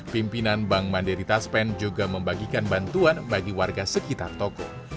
pimpinan bank mandiri taspen juga membagikan bantuan bagi warga sekitar toko